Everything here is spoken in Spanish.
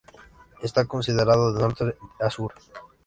Está orientado de norte a sur.